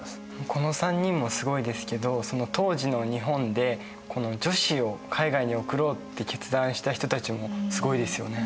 この３人もすごいですけどその当時の日本で女子を海外に送ろうって決断した人たちもすごいですよね。